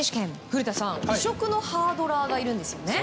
古田さん、異色のハードラーがいるんですよね。